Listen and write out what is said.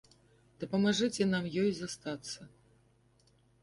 Дапамажыце нам ёй застацца.